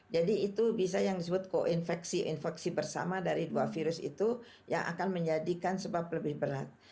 jadi itu bisa yang disebut koinfeksi infeksi bersama dari dua virus itu yang akan menjadikan sebab lebih berat